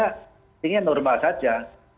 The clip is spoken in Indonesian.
kencingnya normal saja